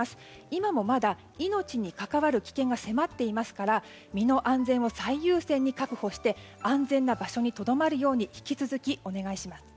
今もまだ命に関わる危険が迫っていますから身の安全を最優先に確保して安全な場所にとどまるように引き続きお願いします。